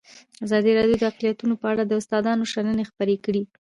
ازادي راډیو د اقلیتونه په اړه د استادانو شننې خپرې کړي.